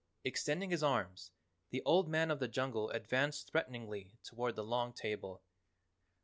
Extending his arms, the old man of the jungle advanced threateningly toward the long table.